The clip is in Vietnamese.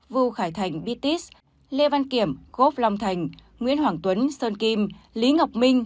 vu khải thành bitis lê văn kiểm gop long thành nguyễn hoàng tuấn sơn kim lý ngọc minh